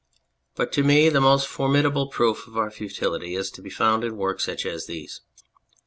But to me the most formidable proof of our futility is to be found in works such as these.